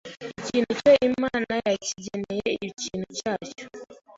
ikintu cyo Imana yakigeneye ikintu cyacyo.